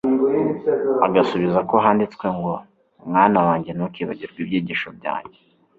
Agasubiza ko handitswe ngo " Mwana wanjye ntukibagirwe ibyigisho byanjye,